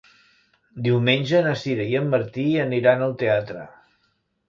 Diumenge na Sira i en Martí aniran al teatre.